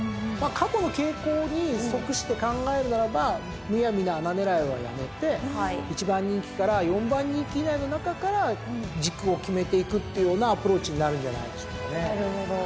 過去の傾向に則して考えるならばむやみな穴狙いはやめて１番人気から４番人気以内の中から軸を決めていくっていうようなアプローチになるんじゃないでしょうかね。